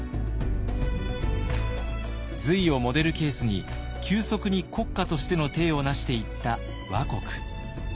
隋をモデルケースに急速に国家としての体を成していった倭国。